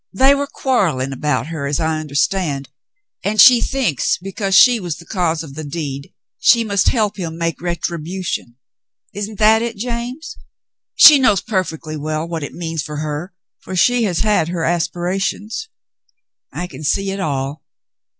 They were quarrelling about her, as I understand, and she thinks because she was the cause of the deed she must help him make retribution. Isn't that it, James ? She knows perfectly well what it means for her, for she has had her aspirations. I can see it all.